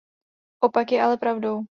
Opak je ale pravdou.